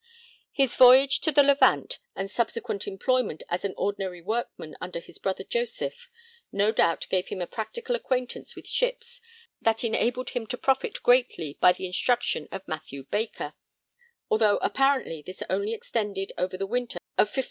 His voyage to the Levant and subsequent employment as an ordinary workman under his brother Joseph no doubt gave him a practical acquaintance with ships that enabled him to profit greatly by the instruction of Mathew Baker, although apparently this only extended over the winter of 1595 6.